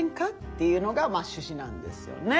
っていうのが趣旨なんですよね。